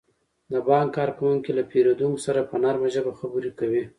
د بانک کارکوونکي له پیرودونکو سره په نرمه ژبه خبرې کوي.